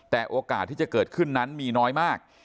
แต่โอกาสที่จะเกิดขึ้นนั้นมีน้อยมาก